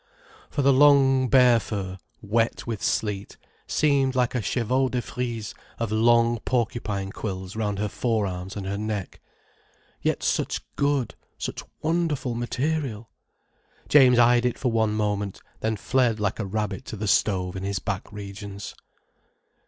For the long bear fur, wet with sleet, seemed like a chevaux de frise of long porcupine quills round her fore arms and her neck. Yet such good, such wonderful material! James eyed it for one moment, and then fled like a rabbit to the stove in his back regions.